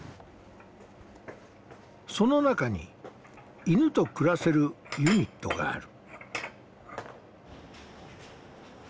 その中に犬と暮らせるユニットがある。